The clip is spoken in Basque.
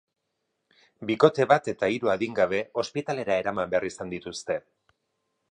Bikote bat eta hiru adingabe ospitalera eraman behar izan dituzte.